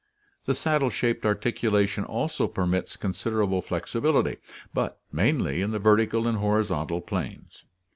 The saddle shaped articulation also permits considerable flexibility, but mainly in the vertical and horizontal planes.